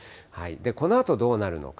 このあと、どうなるのか。